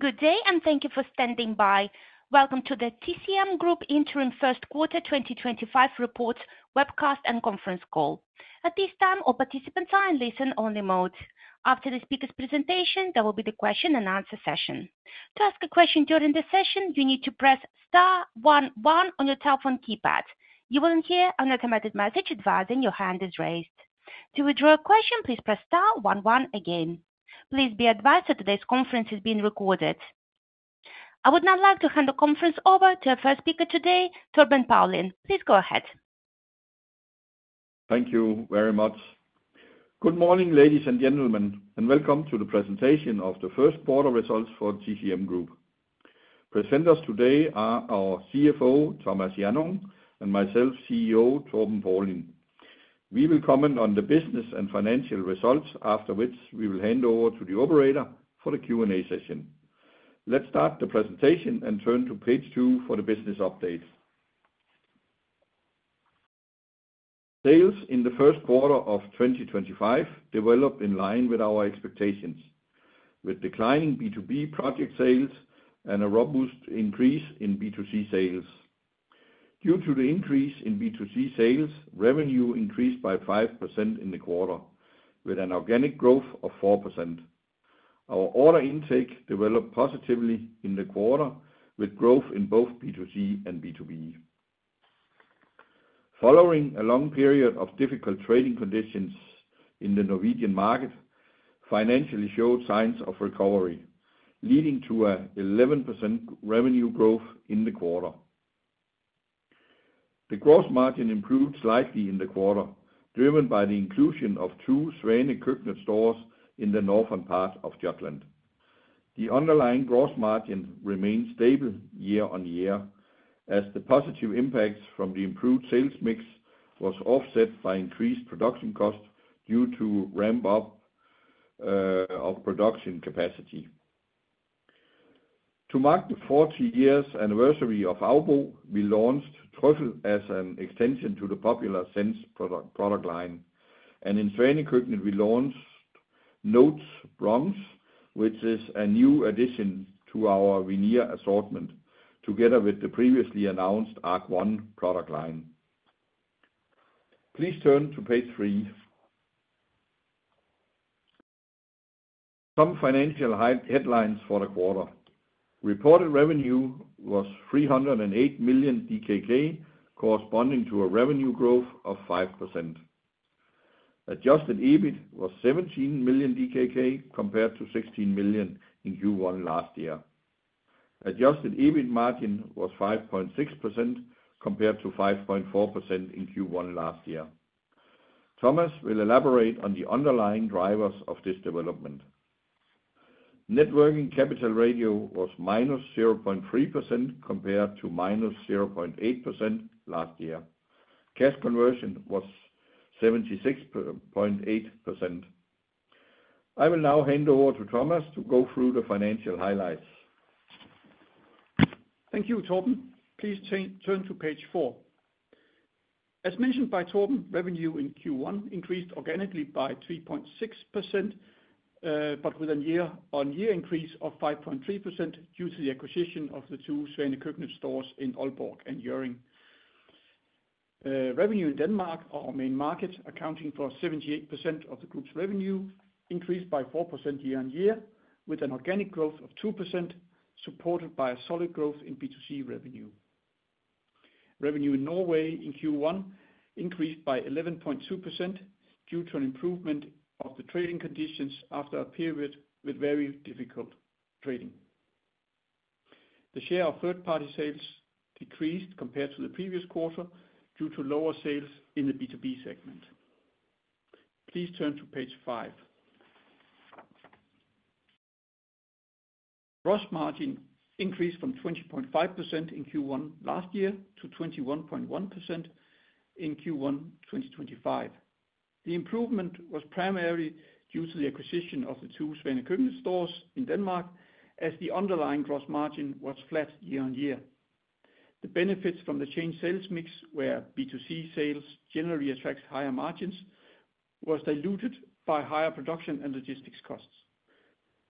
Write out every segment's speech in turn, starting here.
Good day, and thank you for standing by. Welcome to the TCM Group Interim First Quarter 2025 Reports webcast and conference call. At this time, all participants are in listen-only mode. After the speaker's presentation, there will be the question-and-answer session. To ask a question during the session, you need to press *11* on your telephone keypad. You will then hear an automated message advising your hand is raised. To withdraw a question, please press *11* again. Please be advised that today's conference is being recorded. I would now like to hand the conference over to our first speaker today, Torben Paulin. Please go ahead. Thank you very much. Good morning, ladies and gentlemen, and welcome to the presentation of the first quarter results for TCM Group. Presenters today are our CFO, Thomas Hjannung, and myself, CEO, Torben Paulin. We will comment on the business and financial results, after which we will hand over to the operator for the Q&A session. Let's start the presentation and turn to page two for the business update. Sales in the first quarter of 2025 developed in line with our expectations, with declining B2B project sales and a robust increase in B2C sales. Due to the increase in B2C sales, revenue increased by 5% in the quarter, with an organic growth of 4%. Our order intake developed positively in the quarter, with growth in both B2C and B2B. Following a long period of difficult trading conditions in the Norwegian market, financials showed signs of recovery, leading to an 11% revenue growth in the quarter. The gross margin improved slightly in the quarter, driven by the inclusion of two Svane Køkkenet stores in the northern part of Jutland. The underlying gross margin remained stable year-on-year, as the positive impact from the improved sales mix was offset by increased production costs due to ramp-up of production capacity. To mark the 40-year anniversary of Aubo, we launched Troffel as an extension to the popular Sense product line, and in Svane Køkkenet, we launched Notes Bronze, which is a new addition to our veneer assortment, together with the previously announced Arc One product line. Please turn to page three. Some financial headlines for the quarter. Reported revenue was 308 million DKK, corresponding to a revenue growth of 5%. Adjusted EBIT was 17 million DKK, compared to 16 million in Q1 last year. Adjusted EBIT margin was 5.6%, compared to 5.4% in Q1 last year. Thomas will elaborate on the underlying drivers of this development. Net working capital ratio was -0.3%, compared to -0.8% last year. Cash conversion was 76.8%. I will now hand over to Thomas to go through the financial highlights. Thank you, Torben. Please turn to page four. As mentioned by Torben, revenue in Q1 increased organically by 3.6%, but with a year-on-year increase of 5.3% due to the acquisition of the two Svane Køkkenet stores in Aalborg and Hjoerring. Revenue in Denmark, our main market, accounting for 78% of the group's revenue, increased by 4% year-on-year, with an organic growth of 2%, supported by a solid growth in B2C revenue. Revenue in Norway in Q1 increased by 11.2% due to an improvement of the trading conditions after a period with very difficult trading. The share of third-party sales decreased compared to the previous quarter due to lower sales in the B2B segment. Please turn to page five. Gross margin increased from 20.5% in Q1 last year to 21.1% in Q1 2025. The improvement was primarily due to the acquisition of the two Svane Køkkenet stores in Denmark, as the underlying gross margin was flat year-on-year. The benefits from the changed sales mix, where B2C sales generally attract higher margins, were diluted by higher production and logistics costs.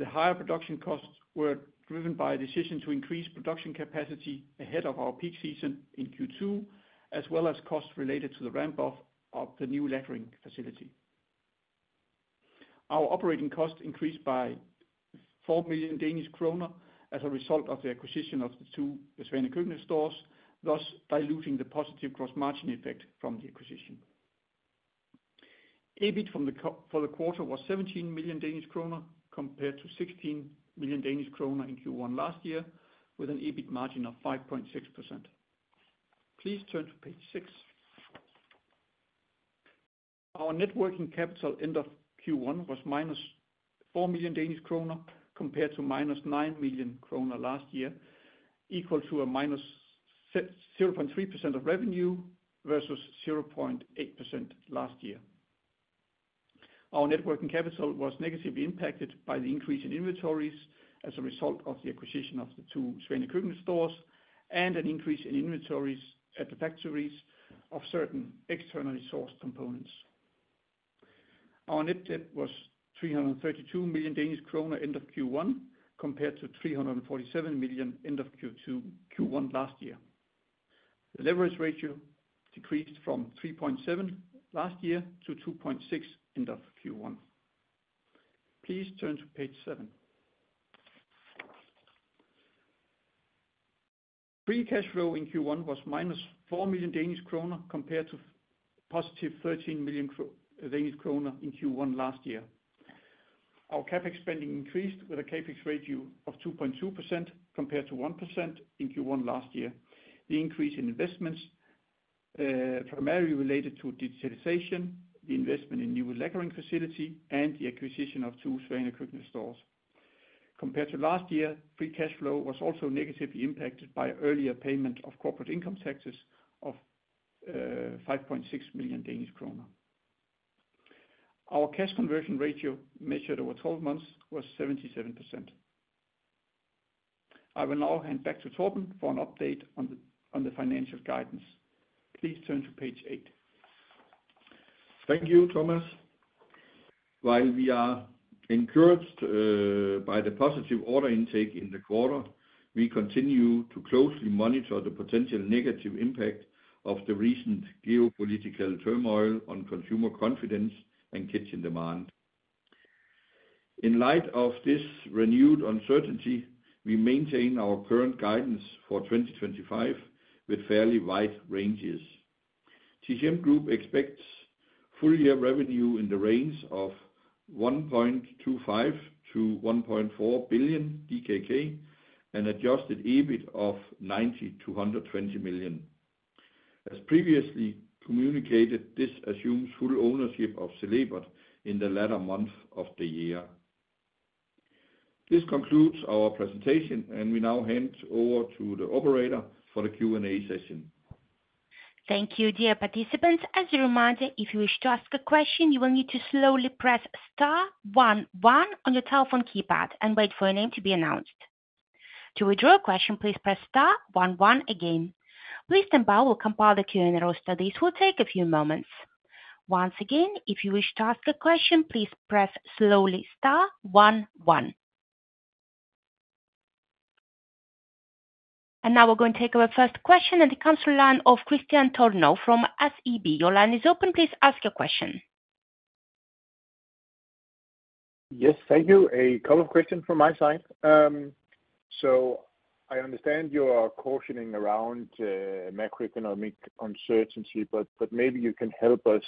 The higher production costs were driven by a decision to increase production capacity ahead of our peak season in Q2, as well as costs related to the ramp-up of the new lettering facility. Our operating costs increased by 4 million Danish kroner as a result of the acquisition of the two Svane Køkkenet stores, thus diluting the positive gross margin effect from the acquisition. EBIT for the quarter was 17 million Danish kroner, compared to 16 million Danish kroner in Q1 last year, with an EBIT margin of 5.6%. Please turn to page six. Our net working capital end of Q1 was minus 4 million Danish kroner, compared to minus 9 million kroner last year, equal to minus 0.3% of revenue versus 0.8% last year. Our net working capital was negatively impacted by the increase in inventories as a result of the acquisition of the two Svane Køkkenet stores and an increase in inventories at the factories of certain externally sourced components. Our net debt was 332 million Danish kroner end of Q1, compared to 347 million end of Q1 last year. The leverage ratio decreased from 3.7 last year to 2.6 end of Q1. Please turn to page seven. Free cash flow in Q1 was minus 4 million Danish kroner, compared to positive 13 million kroner in Q1 last year. Our CapEx spending increased with a CapEx ratio of 2.2%, compared to 1% in Q1 last year. The increase in investments primarily related to digitalization, the investment in new lettering facility, and the acquisition of two Svane Køkkenet stores. Compared to last year, free cash flow was also negatively impacted by earlier payment of corporate income taxes of 5.6 million Danish kroner. Our cash conversion ratio measured over 12 months was 77%. I will now hand back to Torben for an update on the financial guidance. Please turn to page eight. Thank you, Thomas. While we are encouraged by the positive order intake in the quarter, we continue to closely monitor the potential negative impact of the recent geopolitical turmoil on consumer confidence and kitchen demand. In light of this renewed uncertainty, we maintain our current guidance for 2025 with fairly wide ranges. TCM Group expects full-year revenue in the range of 1.25 billion-1.4 billion DKK and adjusted EBIT of 90 million-120 million. As previously communicated, this assumes full ownership of Celebat in the latter month of the year. This concludes our presentation, and we now hand over to the operator for the Q&A session. Thank you, dear participants. As a reminder, if you wish to ask a question, you will need to slowly press *11* on your telephone keypad and wait for your name to be announced. To withdraw a question, please press *11* again. Please stand by while we compile the Q&A roll, so this will take a few moments. Once again, if you wish to ask a question, please press slowly *11*. Now we are going to take our first question, and it comes from the line of Christian Torben Aal from SEB. Your line is open. Please ask your question. Yes, thank you. A couple of questions from my side. I understand you are cautioning around macroeconomic uncertainty, but maybe you can help us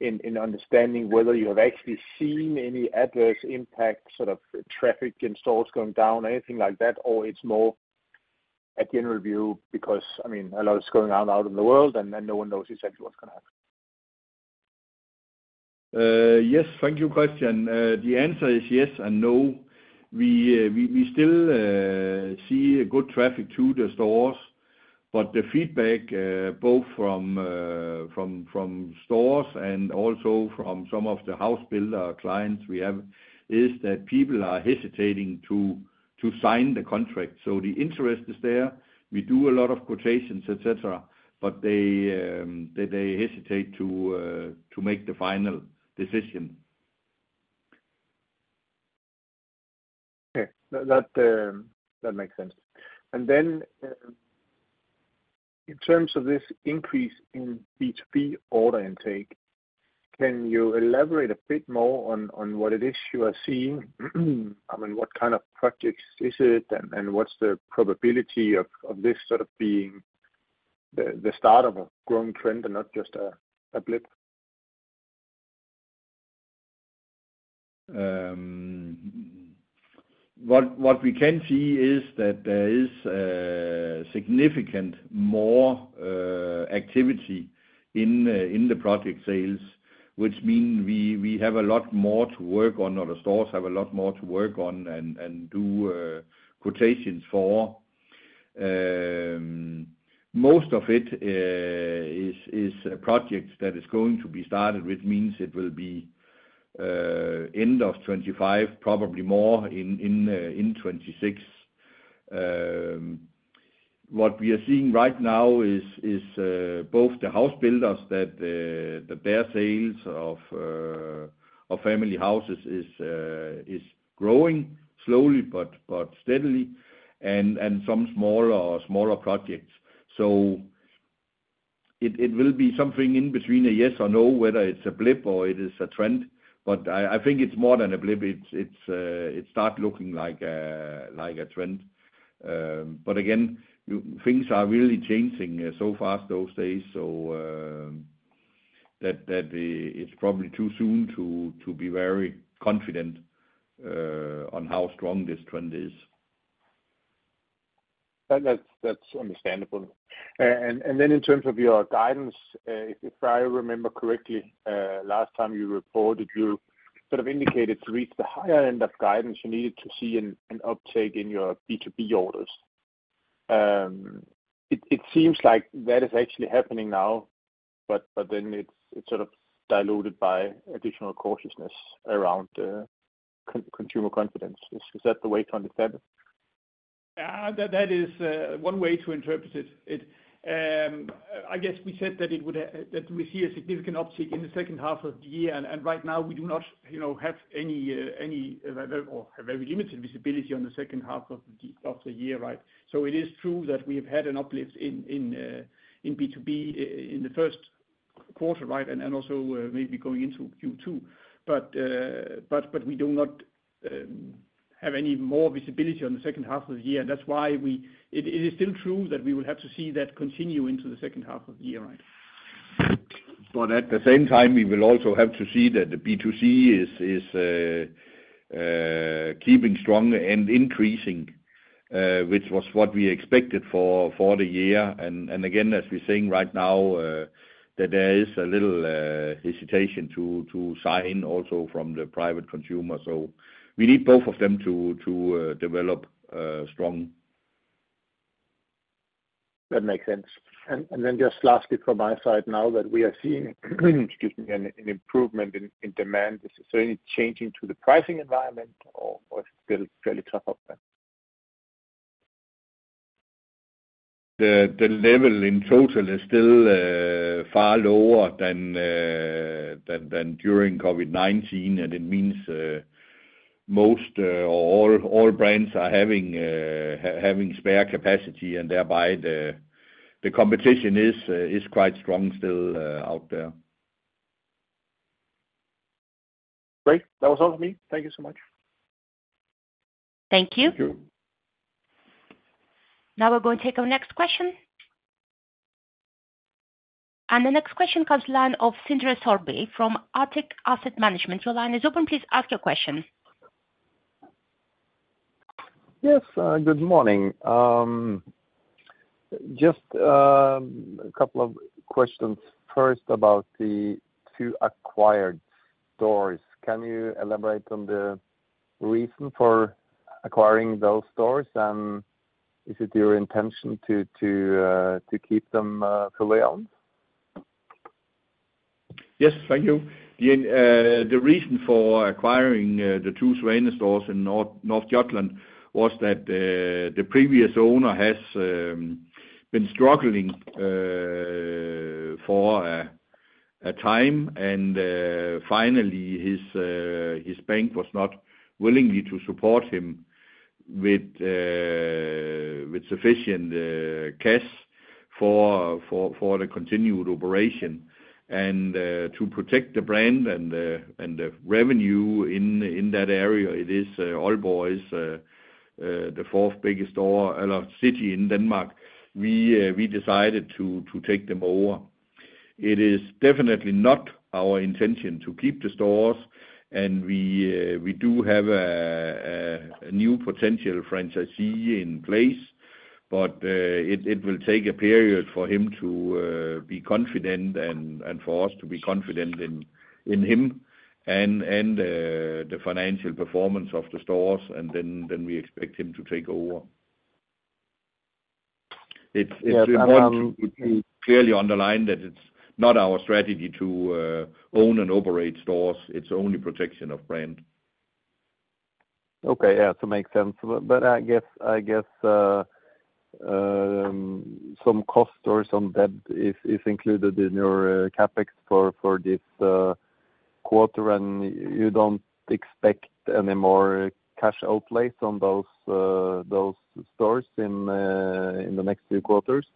in understanding whether you have actually seen any adverse impact, sort of traffic in stores going down, anything like that, or it is more a general view because, I mean, a lot is going on out in the world, and no one knows exactly what is going to happen. Yes, thank you, Christian. The answer is yes and no. We still see good traffic to the stores, but the feedback, both from stores and also from some of the house builder clients we have, is that people are hesitating to sign the contract. The interest is there. We do a lot of quotations, etc., but they hesitate to make the final decision. Okay. That makes sense. In terms of this increase in B2B order intake, can you elaborate a bit more on what it is you are seeing? I mean, what kind of projects is it, and what's the probability of this sort of being the start of a growing trend and not just a blip? What we can see is that there is significantly more activity in the project sales, which means we have a lot more to work on, or the stores have a lot more to work on and do quotations for. Most of it is a project that is going to be started, which means it will be end of 2025, probably more in 2026. What we are seeing right now is both the house builders, that their sales of family houses is growing slowly but steadily, and some smaller projects. It will be something in between a yes or no, whether it is a blip or it is a trend, but I think it is more than a blip. It starts looking like a trend. Things are really changing so fast these days, so it is probably too soon to be very confident on how strong this trend is. That's understandable. In terms of your guidance, if I remember correctly, last time you reported, you sort of indicated to reach the higher end of guidance, you needed to see an uptake in your B2B orders. It seems like that is actually happening now, but then it's sort of diluted by additional cautiousness around consumer confidence. Is that the way to understand it? That is one way to interpret it. I guess we said that we see a significant uptake in the second half of the year, and right now we do not have any or have very limited visibility on the second half of the year, right? It is true that we have had an uplift in B2B in the first quarter, right, and also maybe going into Q2, but we do not have any more visibility on the second half of the year, and that's why it is still true that we will have to see that continue into the second half of the year, right? At the same time, we will also have to see that the B2C is keeping strong and increasing, which was what we expected for the year. Again, as we're saying right now, there is a little hesitation to sign also from the private consumer. We need both of them to develop strong. That makes sense. Just lastly from my side now, that we are seeing, excuse me, an improvement in demand. Is there any changing to the pricing environment, or is it still fairly tough up there? The level in total is still far lower than during COVID-19, and it means most or all brands are having spare capacity, and thereby the competition is quite strong still out there. Great. That was all for me. Thank you so much. Thank you. Thank you. Now we're going to take our next question. The next question comes to the line of Cindra Torbin from Arctic Asset Management. Your line is open. Please ask your question. Yes. Good morning. Just a couple of questions. First, about the two acquired stores. Can you elaborate on the reason for acquiring those stores, and is it your intention to keep them fully owned? Yes, thank you. The reason for acquiring the two Svane Køkkenet stores in North Jutland was that the previous owner has been struggling for a time, and finally, his bank was not willing to support him with sufficient cash for the continued operation. To protect the brand and the revenue in that area, Aalborg is the fourth biggest city in Denmark. We decided to take them over. It is definitely not our intention to keep the stores, and we do have a new potential franchisee in place, but it will take a period for him to be confident and for us to be confident in him and the financial performance of the stores, and then we expect him to take over. It's important to clearly underline that it's not our strategy to own and operate stores. It's only protection of brand. Okay. Yeah. That makes sense. But I guess some cost or some debt is included in your CapEx for this quarter, and you do not expect any more cash outlays on those stores in the next few quarters?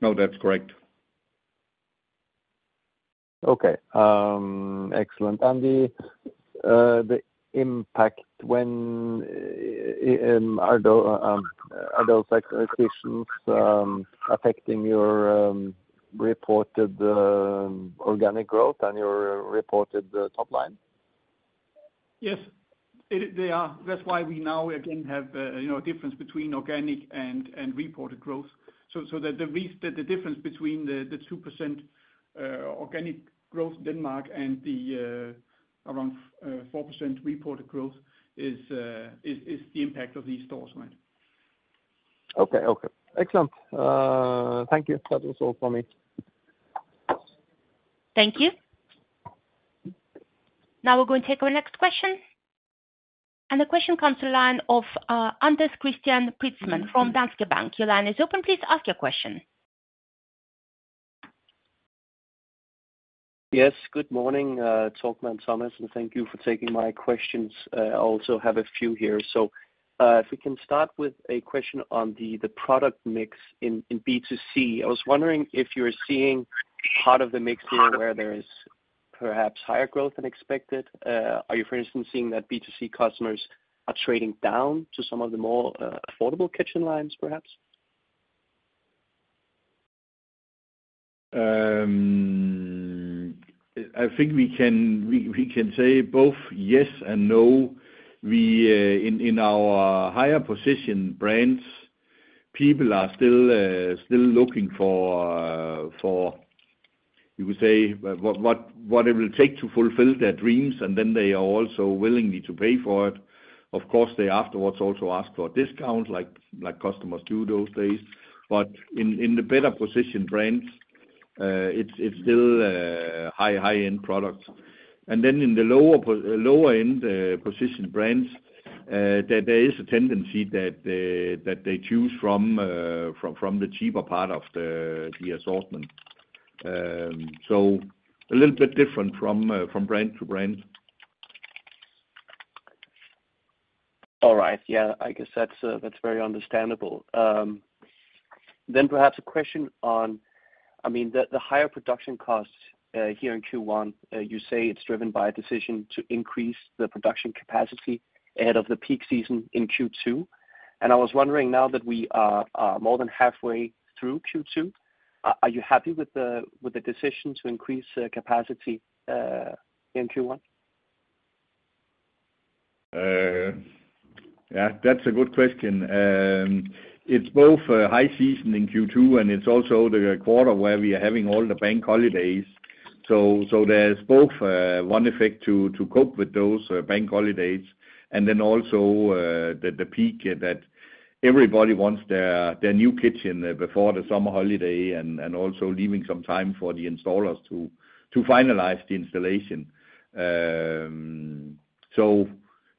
No, that's correct. Okay. Excellent. The impact, are those acquisitions affecting your reported organic growth and your reported top line? Yes, they are. That's why we now, again, have a difference between organic and reported growth. The difference between the 2% organic growth in Denmark and the around 4% reported growth is the impact of these stores, right? Okay. Okay. Excellent. Thank you. That was all for me. Thank you. Now we're going to take our next question. The question comes to the line of Anders Christian Preetzmann from Danske Bank. Your line is open. Please ask your question. Yes. Good morning, Torben and Thomas. Thank you for taking my questions. I also have a few here. If we can start with a question on the product mix in B2C. I was wondering if you are seeing part of the mix here where there is perhaps higher growth than expected. Are you, for instance, seeing that B2C customers are trading down to some of the more affordable kitchen lines, perhaps? I think we can say both yes and no. In our higher position brands, people are still looking for, you could say, what it will take to fulfill their dreams, and then they are also willing to pay for it. Of course, they afterwards also ask for discounts, like customers do these days. In the better position brands, it is still high-end products. In the lower-end position brands, there is a tendency that they choose from the cheaper part of the assortment. So a little bit different from brand to brand. All right. Yeah. I guess that's very understandable. Then perhaps a question on, I mean, the higher production cost here in Q1, you say it's driven by a decision to increase the production capacity ahead of the peak season in Q2. I was wondering now that we are more than halfway through Q2, are you happy with the decision to increase capacity in Q1? Yeah. That's a good question. It's both high season in Q2, and it's also the quarter where we are having all the bank holidays. There is both one effect to cope with those bank holidays, and then also the peak that everybody wants their new kitchen before the summer holiday and also leaving some time for the installers to finalize the installation.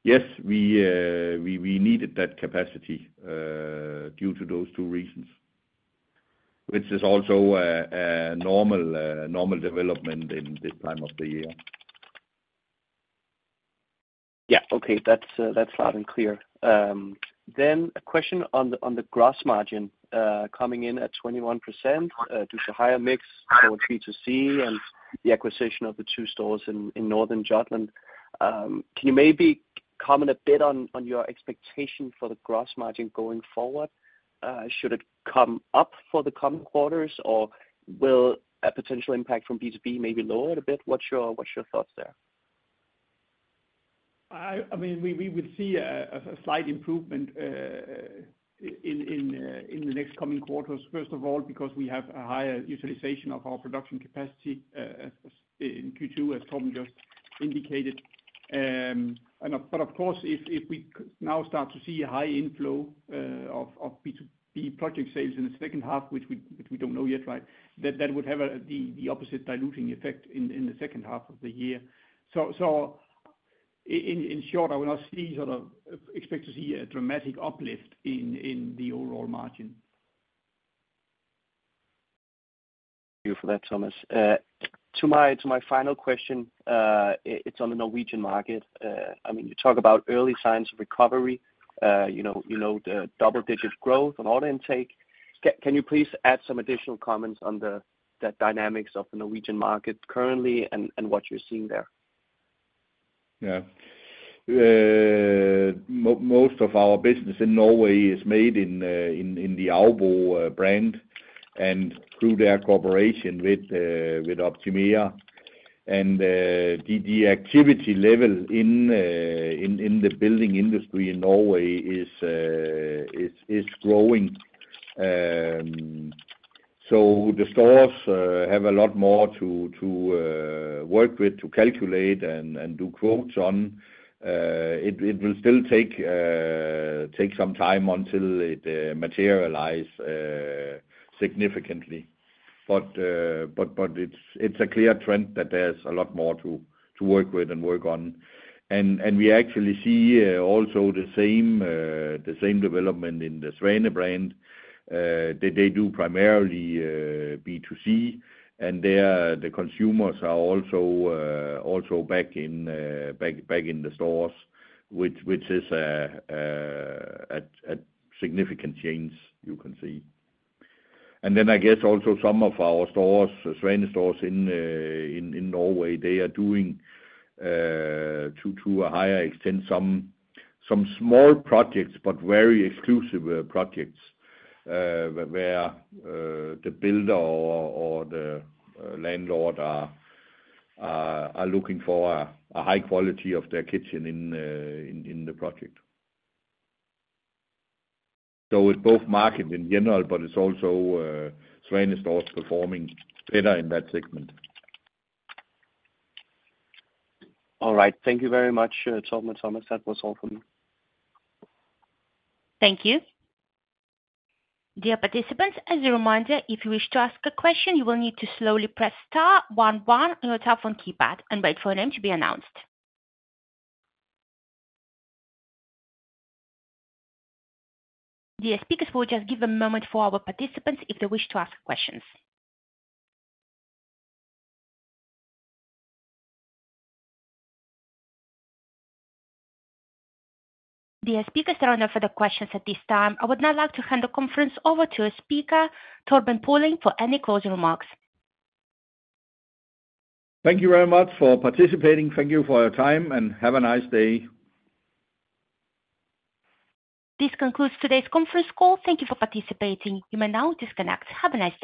Yes, we needed that capacity due to those two reasons, which is also a normal development in this time of the year. Yeah. Okay. That's loud and clear. Then a question on the gross margin coming in at 21% due to higher mix for B2C and the acquisition of the two stores in Northern Jutland. Can you maybe comment a bit on your expectation for the gross margin going forward? Should it come up for the coming quarters, or will a potential impact from B2B maybe lower it a bit? What's your thoughts there? I mean, we would see a slight improvement in the next coming quarters, first of all, because we have a higher utilization of our production capacity in Q2, as Torben just indicated. Of course, if we now start to see a high inflow of B2B project sales in the second half, which we do not know yet, right, that would have the opposite diluting effect in the second half of the year. In short, I would not see sort of expect to see a dramatic uplift in the overall margin. Thank you for that, Thomas. To my final question, it's on the Norwegian market. I mean, you talk about early signs of recovery, the double-digit growth on order intake. Can you please add some additional comments on that dynamics of the Norwegian market currently and what you're seeing there? Yeah. Most of our business in Norway is made in the Aalborg brand and through their cooperation with Optimea. The activity level in the building industry in Norway is growing. The stores have a lot more to work with, to calculate and do quotes on. It will still take some time until it materializes significantly. It is a clear trend that there is a lot more to work with and work on. We actually see also the same development in the Svanø brand. They do primarily B2C, and the consumers are also back in the stores, which is a significant change, you can see. I guess also some of our stores, Svanø stores in Norway, they are doing to a higher extent some small projects, but very exclusive projects where the builder or the landlord are looking for a high quality of their kitchen in the project. It is both market in general, but it is also Svanø stores performing better in that segment. All right. Thank you very much, Torben and Thomas. That was all for me. Thank you. Dear participants, as a reminder, if you wish to ask a question, you will need to slowly press star 11 on your telephone keypad and wait for a name to be announced. Dear speakers, we'll just give a moment for our participants if they wish to ask questions. Dear speakers, there are no further questions at this time. I would now like to hand the conference over to our speaker, Torben Paulin, for any closing remarks. Thank you very much for participating. Thank you for your time, and have a nice day. This concludes today's conference call. Thank you for participating. You may now disconnect. Have a nice day.